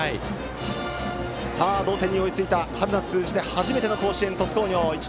さあ、同点に追いついた春夏通じて初めての甲子園の鳥栖工業。